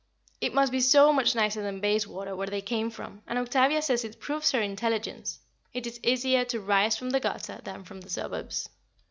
It must be so much nicer than Bayswater, where they came from, and Octavia says it proves her intelligence; it is easier to rise from the gutter than from the suburbs.